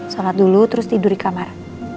sholat dulu terus tidur di kamar